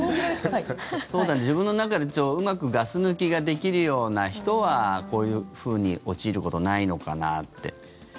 自分の中で、うまくガス抜きができるような人はこういうふうに陥ることないのかなって。